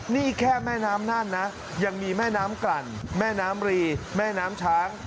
นี่แค่แม่น้ำนั่นนะยังมีแม่น้ำกลั่นแม่น้ำรีแม่น้ำช้าง